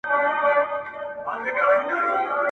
o لکه باران را اورېدلې پاتېدلې به نه ,